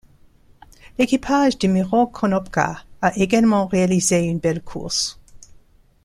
L’équipage de Miro Konopka a également réalisé une belle course.